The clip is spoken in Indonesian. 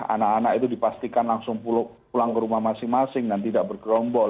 anak anak itu dipastikan langsung pulang ke rumah masing masing dan tidak bergerombol